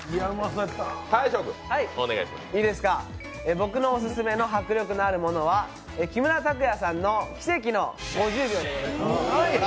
僕のオススメの迫力があるものは木村拓哉さんの奇跡の５０秒でございます。